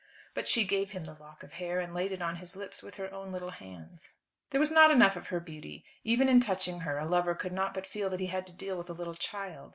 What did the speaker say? But she gave him the lock of hair, and laid it on his lips with her own little hands. There was not enough of her beauty. Even in touching her a lover could not but feel that he had to deal with a little child.